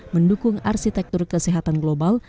mendukung arsitektur kesehatan global